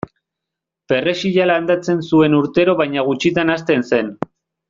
Perrexila landatzen zuen urtero baina gutxitan hazten zen.